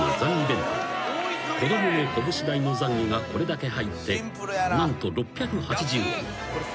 ［子供の拳大のザンギがこれだけ入って何と６８０円］